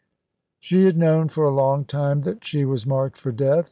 She had known for a long time that she was marked for death.